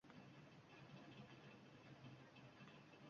Onamga xat